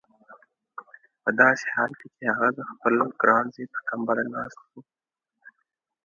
په داسې حال کې چې هغه د خپل ګران زوی پر کمبله ناست و.